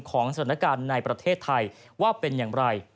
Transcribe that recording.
สถานการณ์ในประเทศไทยว่าเป็นอย่างไร